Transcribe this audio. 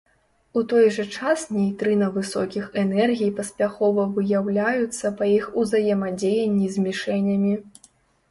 У той жа час нейтрына высокіх энергій паспяхова выяўляюцца па іх узаемадзеянні з мішэнямі.